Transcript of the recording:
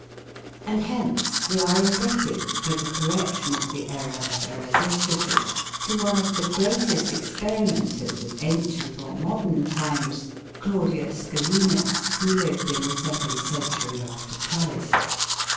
And hence we are indebted, for the correction of the error of Erasistratus, to one of the greatest experimenters of ancient or modern times, Claudius Galenus, who lived in the second century after Christ.